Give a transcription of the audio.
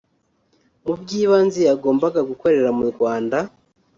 Mu by’ibanze yagombaga gukorera mu Rwanda